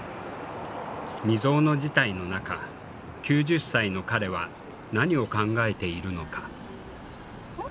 未曽有の事態の中９０歳の彼は何を考えているのか。